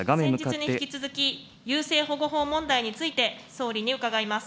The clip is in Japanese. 先日に引き続き、優生保護法問題について、総理に伺います。